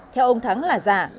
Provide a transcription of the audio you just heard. theo ông thắng là giả